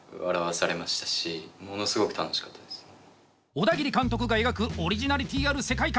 オダギリ監督が描くオリジナリティーある世界観。